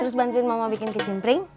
terus bantuin mama bikin kecing pring